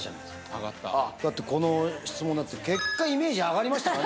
だってこの質問だって結果イメージ上がりましたから。